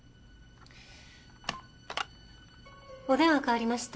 お電話代わりました。